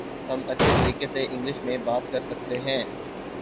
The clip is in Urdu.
ہم اچھے طریقے سے انگلش میں بات کر سکتے ہیں